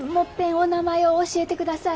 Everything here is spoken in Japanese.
お名前う教えてください。